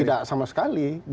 tidak sama sekali